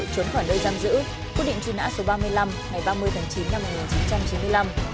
trốn khỏi nơi giam giữ quyết định truy nã số ba mươi năm ngày ba mươi tháng chín năm một nghìn chín trăm chín mươi năm